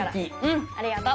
うん！ありがと！